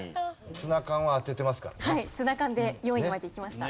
ツナ缶で４位までいきました。